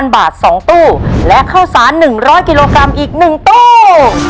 บาท๒ตู้และข้าวสาร๑๐๐กิโลกรัมอีก๑ตู้